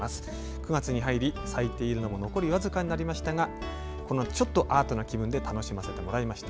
９月に入り、咲いているのも残り僅かになりましたがちょっとアートな気分で楽しませてもらいました。